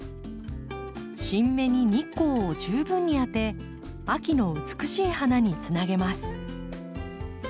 新芽に日光を十分に当て秋の美しい花につなげます。